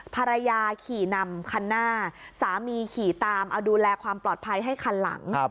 ภรรยาขี่นำคันหน้าสามีขี่ตามเอาดูแลความปลอดภัยให้คันหลัง